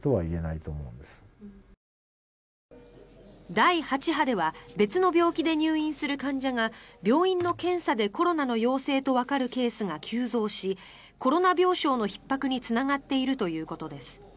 第８波では別の病気で入院する患者が病院の検査でコロナの陽性とわかるケースが急増しコロナ病床のひっ迫につながっているということです。